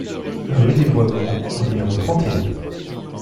Rue des Bois Grands au numéro trente et un